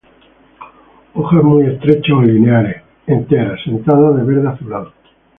Hojas muy estrechas o lineares, enteras, sentadas de verde azulado.